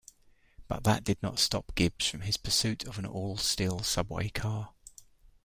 But that did not stop Gibbs from his pursuit of an all-steel subway car.